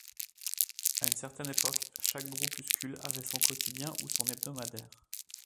À une certaine époque, chaque groupuscule avait son quotidien ou son hebdomadaire.